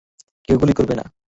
কেউ গুলি করবে না।